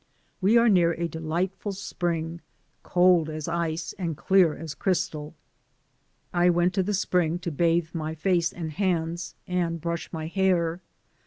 We are near a delightful spring, cold as ice, and clear as crystal. I went to the spring to bathe my face and hands, and brush my hair.